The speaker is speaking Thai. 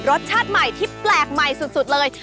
รสชาติใหม่ที่แปลกใหม่สุดเลย